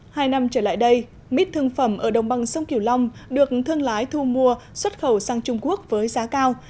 hai năm trở lại đây mít thương phẩm ở đồng bằng sông kiều long được thương lái thu mua xuất khẩu sang trung quốc với giá cao